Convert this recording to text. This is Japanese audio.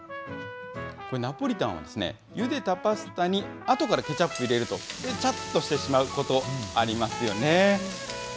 ナポリタンは、ゆでたパスタにあとからケチャップ入れると、べちゃっとしてしまうことありますよね。